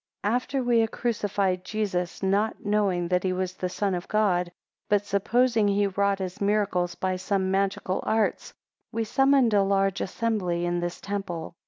7 After we had crucified Jesus, not knowing that he was the Son of God, but supposing he wrought his miracles by some magical arts, we summoned a large assembly in this temple.